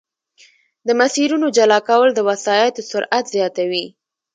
د مسیرونو جلا کول د وسایطو سرعت زیاتوي